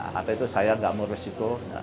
hata itu saya nggak mau risiko